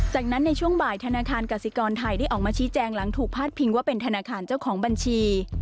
จากนั้นในช่วงบ่ายธนาคารกสิกรไทยได้ออกมาชี้แจงหลังถูกพาดพิงว่าเป็นธนาคารเจ้าของบัญชี